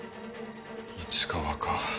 市川か。